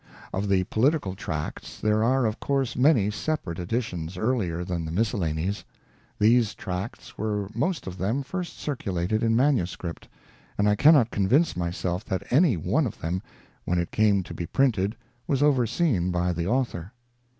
Of the political tracts there are of course many separate editions earlier than the Miscellanies. These tracts were most of them first circulated in manuscript, and I cannot convince myself that any one of them, when it came to be printed, was overseen by the author.